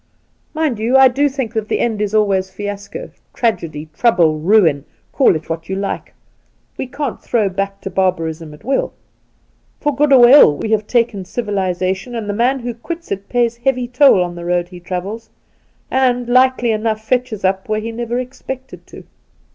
Mind you, I do think that the end is always fiasco — tragedy, trouble, ruin, call it what you like. We can't throw back to barbarism at will. For good or ill we have taken civilization, and the man who quits it pays heavy toll on the road he travels, and, likely enough, fetches up where he never expected to.'